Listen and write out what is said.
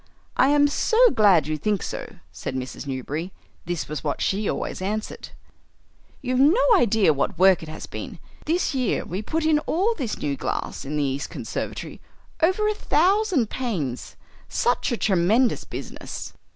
"I am so glad you think so," said Mrs. Newberry (this was what she always answered); "you've no idea what work it has been. This year we put in all this new glass in the east conservatory, over a thousand panes. Such a tremendous business!"